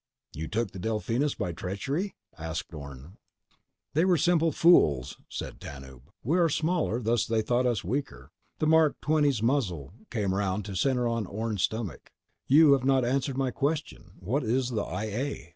"You took the Delphinus by treachery?" asked Orne. "They were simple fools," said Tanub. "We are smaller, thus they thought us weaker." The Mark XX's muzzle came around to center on Orne's stomach. "You have not answered my question. What is the I A?"